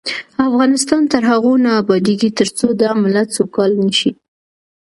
افغانستان تر هغو نه ابادیږي، ترڅو دا ملت سوکاله نشي.